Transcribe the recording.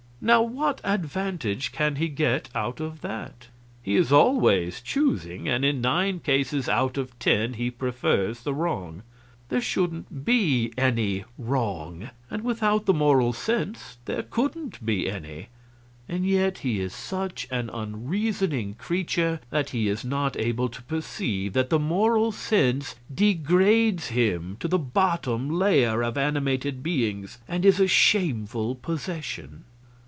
Now what advantage can he get out of that? He is always choosing, and in nine cases out of ten he prefers the wrong. There shouldn't be any wrong; and without the Moral Sense there couldn't be any. And yet he is such an unreasoning creature that he is not able to perceive that the Moral Sense degrades him to the bottom layer of animated beings and is a shameful possession.